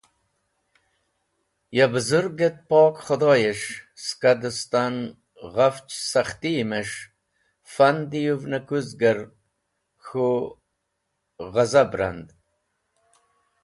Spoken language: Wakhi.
Ya bũzũrg et pok Khũdhoyes̃h ska dẽstan ghafch sakhti mes̃h fan diyũvnkũzver k̃hũ ghazab rand.